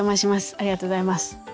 ありがとうございます。